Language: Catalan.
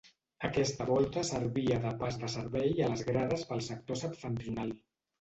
Aquesta volta servia de pas de servei a les grades pel sector septentrional.